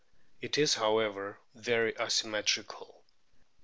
It is, however, very asymmetrical.